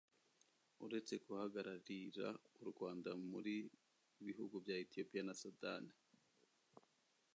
uretse guhagararira u rwanda muri bihugu bya etiyopiya na sudani,